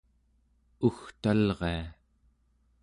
ugtalria